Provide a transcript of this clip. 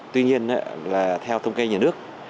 tuy nhiên là theo thông kê nhà nước